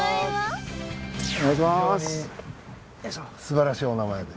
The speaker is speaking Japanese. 非常にすばらしいお名前で。